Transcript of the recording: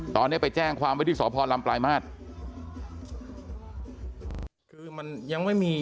ตอนนี้ไปแจ้งความว่าที่สพลำปลายมาฮาต